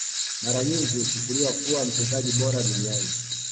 Mara nyingi huchukuliwa kuwa mchezaji bora duniani